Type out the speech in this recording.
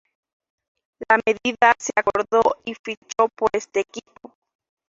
La medida se acordó y ficho por este equipo.